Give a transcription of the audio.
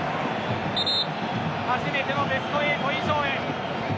初めてのベスト８以上へ。